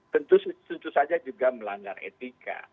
tentu saja juga melanggar etika